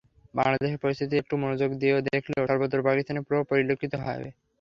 বাংলাদেশের পরিস্থিতি একটু মনোযোগ দিয়ে দেখলেই সর্বত্র পাকিস্তানি প্রভাব পরিলক্ষিত হবে।